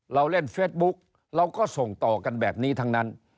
เราเล่นเฟสบุ๊กเราก็ส่งต่อกันแบบนี้ทั้งนั้น